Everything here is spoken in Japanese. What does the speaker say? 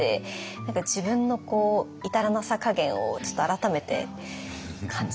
何か自分の至らなさかげんをちょっと改めて感じました。